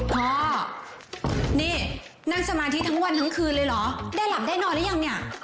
พ่อนี่นั่งสมาธิทั้งวันทั้งคืนเลยเหรอได้หลับได้นอนหรือยังเนี่ย